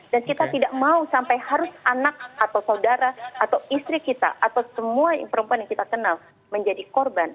dan kita tidak mau sampai harus anak atau saudara atau istri kita atau semua perempuan yang kita kenal menjadi korban